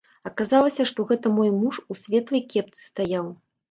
Аказалася, што гэта мой муж, у светлай кепцы стаяў.